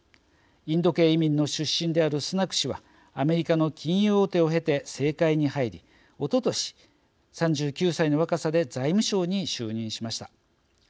インド系移民の出身であるスナク氏はアメリカの金融大手を経て政界に入りおととし、３９歳の若さで財務相に就任しました。